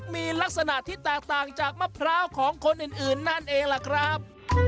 มีลักษณะที่แตกต่างจากมะพร้าวของคนอื่นนั่นเองล่ะครับ